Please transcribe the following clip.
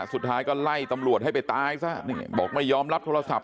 สุดท้ายก็ไล่ตำรวจให้ไปตายซะบอกไม่ยอมรับโทรศัพท์